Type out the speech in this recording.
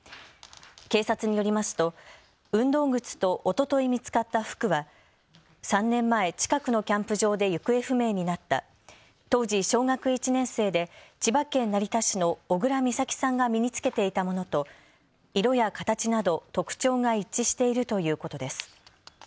警察によりますと運動靴とおととい見つかった服は３年前、近くのキャンプ場で行方不明になった当時小学１年生で千葉県成田市の小倉美咲さんが身に着けていたものと色や形など特徴が一致しているということです。